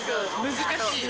難しい。